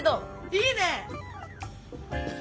いいね！